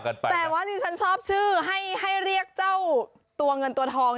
ขออนุญาตเรียกคุณผู้ชมเรียกตัวเงินตัวทอง